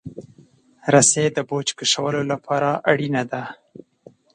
رسۍ د بوج د کشولو لپاره اړینه ده.